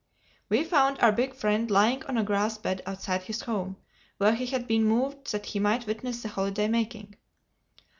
We found our big friend lying on a grass bed outside his home, where he had been moved that he might witness the holiday making.